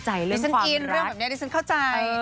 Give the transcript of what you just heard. ดิฉันกินเรื่องแบบนี้ดิฉันเข้าใจ